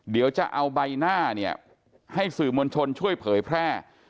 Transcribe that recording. เดี๋ยวจะเอาใบหน้าเนี่ยให้สื่อมวลชนช่วยเผยแพร่